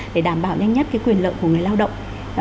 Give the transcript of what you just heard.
để đảm bảo nhanh nhất quyền lợi của người lao động